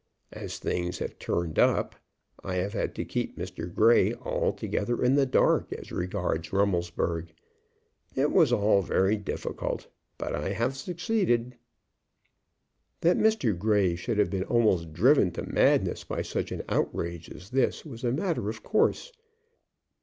As things have turned up, I have had to keep Mr. Grey altogether in the dark as regards Rummelsburg. It was very difficult; but I have succeeded." That Mr. Grey should have been almost driven to madness by such an outrage as this was a matter of course.